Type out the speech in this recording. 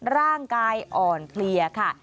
ร่างกายอ่อนเพลียค่ะ